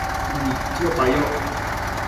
Nidquipa yoc